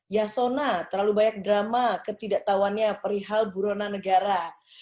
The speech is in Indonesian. yasona terlalu banyak drama ketidaktahuannya perihal burona negara